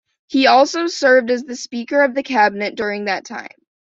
He also served as the speaker of the cabinet during that time.